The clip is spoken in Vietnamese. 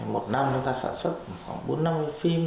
một năm chúng ta sản xuất khoảng bốn năm phim